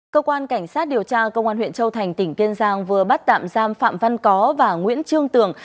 cơ quan cảnh sát điều tra công an huyện châu thành tỉnh kiên giang vừa bắt tạm giam phạm văn có và nguyễn trương tường